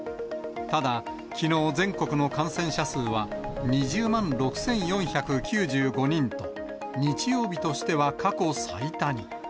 ただ、きのう、全国の感染者数は２０万６４９５人と、日曜日としては過去最多に。